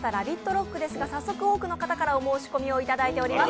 ＲＯＣＫですが、早速多くの方からお申し込みをいただいています。